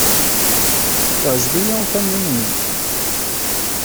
Yeɛjeb-iyi ukamyun-nnem.